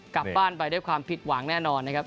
กลับบ้านไปด้วยความผิดหวังแน่นอนนะครับ